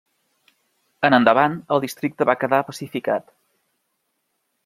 En endavant el districte va quedar pacificat.